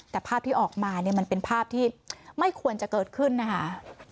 แต่ภาพที่ออกมาเนี่ยมันเป็นภาพที่ไม่ควรจะเกิดขึ้นนะคะ